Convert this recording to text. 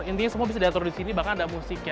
intinya semua bisa diatur di sini bahkan ada musiknya